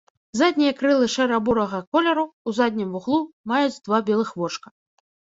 Заднія крылы шэра-бурага колеру, у заднім вуглу маюць два белых вочка.